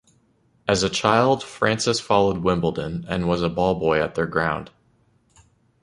As a child Francis followed Wimbledon, and was a ball boy at their ground.